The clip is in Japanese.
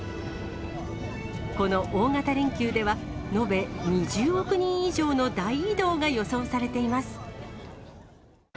この大型連休では、延べ２０億人以上の大移動が予想されています。